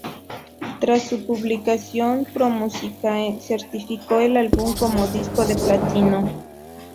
Tras su publicación, Promusicae certificó el álbum como disco de platino.